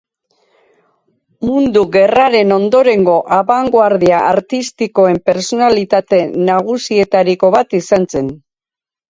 Mundu gerraren ondorengo abangoardia artistikoen pertsonalitate nagusietariko bat izan zen.